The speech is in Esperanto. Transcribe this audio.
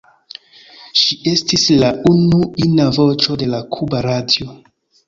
Ŝi estis la unu ina voĉo de la kuba radio.